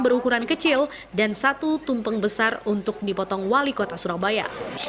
berukuran kecil dan satu tumpeng besar untuk dipotong wali kota surabaya